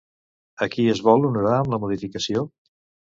A qui es vol honorar amb la modificació?